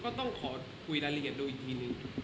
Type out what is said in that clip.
ก็ต้องขอคุยรายละเอียดดูอีกทีนึง